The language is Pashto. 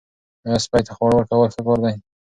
آیا سپي ته خواړه ورکول ښه کار دی؟